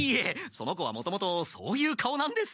その子はもともとそういう顔なんです。